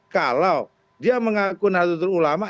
kalau dia mengaku nahdlatul ulama